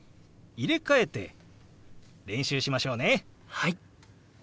はい！